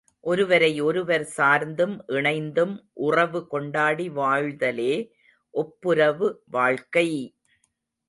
ஒருவரை ஒருவர் சார்ந்தும் இணைந்தும் உறவு கொண்டாடி வாழ்தலே ஒப்புரவு வாழ்க்கை!